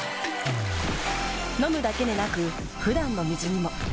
飲むだけでなく普段の水にも。